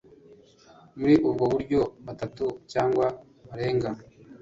muri ubwo buryo batatu cyangwa barenga